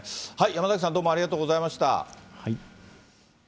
山崎さん、どうもありがとうございました。